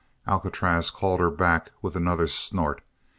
Alcatraz called her back with another snort.